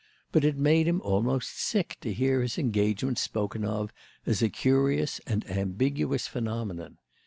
But it made him almost sick to hear his engagement spoken of as a curious and ambiguous phenomenon.